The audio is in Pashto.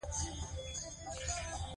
لوستې میندې ماشومان واکسین ته بیايي.